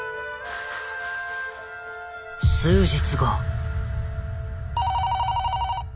数日後。